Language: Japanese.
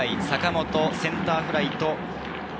坂本、センターフライ。